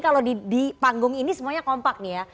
kalau di panggung ini semuanya kompak nih ya